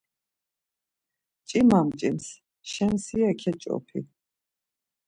Mç̌ima mç̌ims, şemşiye ǩeç̌opi.